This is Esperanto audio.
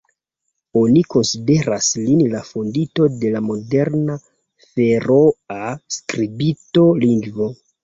Oni konsideras lin la fondinto de la moderna feroa skribita lingvo.